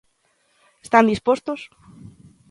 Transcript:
Están dispostos?